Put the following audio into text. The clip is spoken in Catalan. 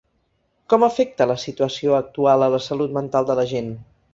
Com afecta la situació actual a la salut mental de la gent?